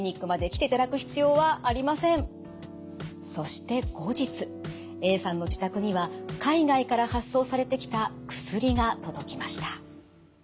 そして後日Ａさんの自宅には海外から発送されてきた薬が届きました。